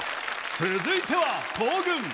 続いては東軍